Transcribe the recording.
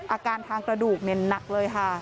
อาการทางกระดูกหนักเลยค่ะ